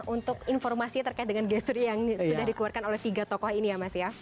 untuk informasi terkait dengan gesture yang sudah dikeluarkan oleh tiga tokoh ini ya mas ya